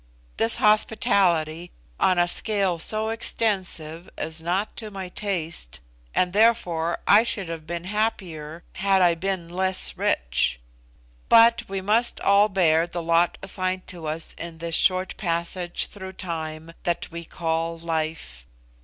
This hospitality, on a scale so extensive, is not to my taste, and therefore I should have been happier had I been less rich. But we must all bear the lot assigned to us in this short passage through time that we call life.